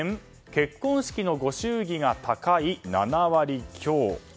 結婚式のご祝儀が高い、７割強。